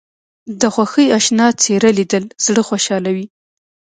د خوښۍ اشنا څېره لیدل زړه خوشحالوي